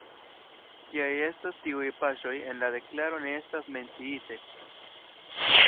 Kiaj estos tiuj paŝoj, en la deklaro ne estas menciite.